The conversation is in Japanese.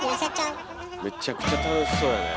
めっちゃくちゃ楽しそうやね。